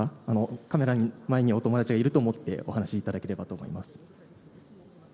カメラの前にお友達がいると思ってお話いただければと思います。